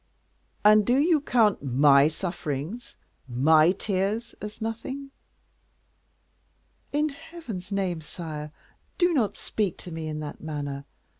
"And do you count my sufferings, my tears, as nothing?" "In Heaven's name, sire, do not speak to me in that manner.